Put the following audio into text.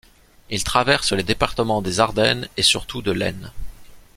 Il traverse les départements des Ardennes et surtout de l'Aisne.